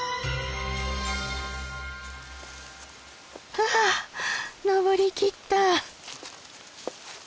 はあ登りきった。